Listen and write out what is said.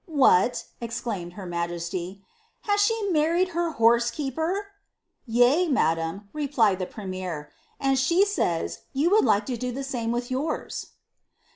What !" exclaimed her majesty, *' has she married her horse keeper ?"Yea, madam," replied the premier, *• and she says you would like to do the same with yours."